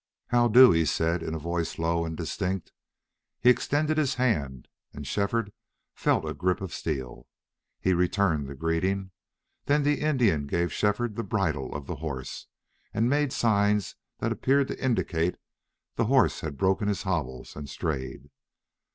"How do?" he said, in a voice low and distinct. He extended his hand, and Shefford felt a grip of steel. He returned the greeting. Then the Indian gave Shefford the bridle of the horse, and made signs that appeared to indicate the horse had broken his hobbles and strayed.